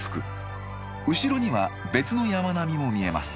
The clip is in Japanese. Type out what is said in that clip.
後ろには別の山並みも見えます。